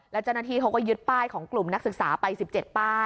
แล้วเจ้าหน้าที่เขาก็ยึดป้ายของกลุ่มนักศึกษาไป๑๗ป้าย